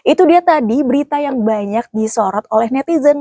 itu dia tadi berita yang banyak disorot oleh netizen